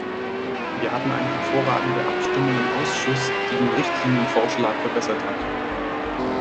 Wir hatten eine hervorragende Abstimmung im Ausschuss, die den Richtlinienvorschlag verbessert hat.